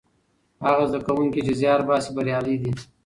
هغه زده کوونکي چې زیار باسي بریالي دي.